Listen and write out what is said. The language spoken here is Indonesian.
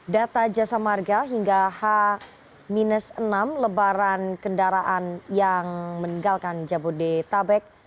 data jasa marga hingga h enam lebaran kendaraan yang meninggalkan jabodetabek